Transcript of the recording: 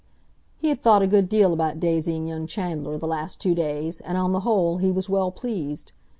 He had thought a good deal about Daisy and young Chandler the last two days, and, on the whole, he was well pleased.